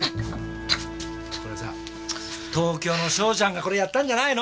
これさ東京の章ちゃんがこれやったんじゃないの？